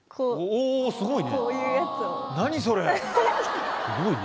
おすごい！